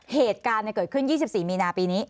เหตุการณ์เกิดขึ้น๒๔มีนาปีนี้